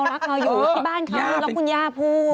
รักเราอยู่ที่บ้านเขาแล้วคุณย่าพูด